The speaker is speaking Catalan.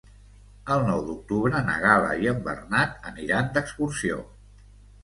El nou d'octubre na Gal·la i en Bernat aniran d'excursió.